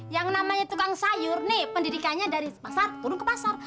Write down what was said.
yang namanya tukang sayur nih pendidikannya dari pasar turun ke pasar